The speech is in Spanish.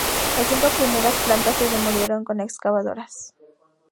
Las cinco primeras plantas se demolieron con excavadoras.